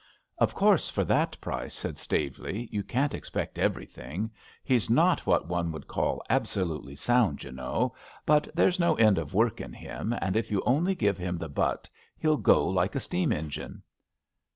Of course, for that price, '* said Staveley, you can't expect everything. He's not whaA 91 92 ABAFT THE FUNNEL one would call absolutely sound, y' know, but there *s no end of work in him, and if you only give him the butt he'll go like a steam engine."